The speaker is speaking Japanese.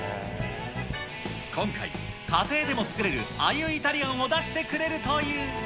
今回、家庭でも作れるあゆイタリアンを出してくれるという。